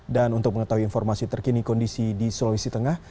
dan untuk mengetahui informasi terkini kondisi di sulawesi tengah